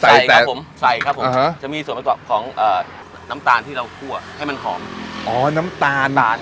ใช่ครับผมจะมีส่วนมากกว่าของน้ำตาลที่เราคั่วให้มันหอมอ๋อน้ำตาล